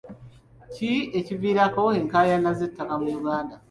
Ki ekiviirako enkaayana z'ettaka mu Uganda?